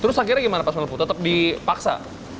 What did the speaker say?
terus akhirnya gimana pas malput tetap dipaksa